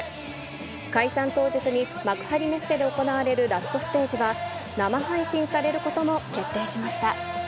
解散当日に幕張メッセで行われるラストステージは、生配信されることも決定しました。